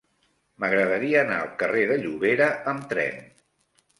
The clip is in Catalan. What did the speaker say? M'agradaria anar al carrer de Llobera amb tren.